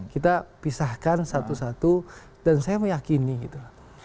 kita pisahkan satu satu dan saya meyakini gitu